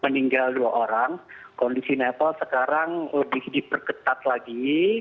meninggal dua orang kondisi nepal sekarang lebih diperketat lagi